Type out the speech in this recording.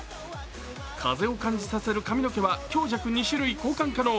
風を感じさせる髪の毛は強弱２種類交換可能。